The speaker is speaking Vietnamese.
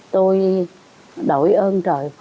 tôi đổi ơn trời phật